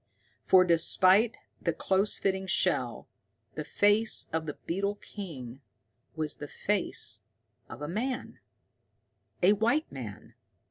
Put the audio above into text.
For, despite the close fitting shell, the face of the beetle king was the face of a man a white man!